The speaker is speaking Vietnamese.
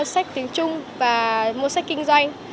sách tiếng trung và mua sách kinh doanh